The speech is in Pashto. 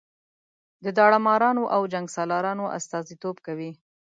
د داړه مارانو او جنګ سالارانو استازي توب کوي.